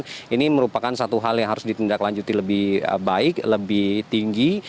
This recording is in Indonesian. nah ini merupakan satu hal yang harus ditindaklanjuti lebih baik lebih tinggi